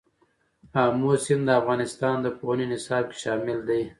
آمو سیند د افغانستان د پوهنې نصاب کې شامل دی.